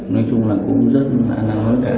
nói chung là cũng rất an năng nói kể